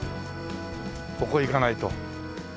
ここ行かないと。